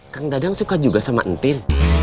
kang dadang suka juga sama entin